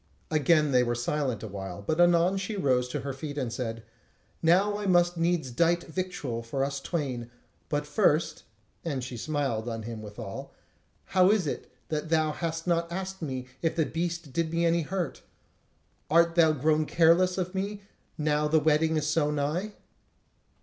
Again they were silent awhile, but anon she arose to her feet and said: "Now must I needs dight victual for us twain; but first" (and she smiled on him withal), "how is it that thou hast not asked me if the beast did me any hurt? Art thou grown careless of me, now the wedding is so nigh?"